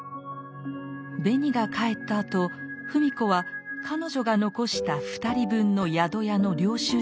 ベニが帰ったあと芙美子は彼女が残した２人分の宿屋の領収書を見つけます。